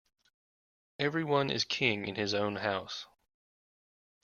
Every one is king in his own house.